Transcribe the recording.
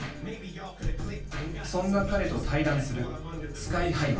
そんな彼と対談するＳＫＹ−ＨＩは。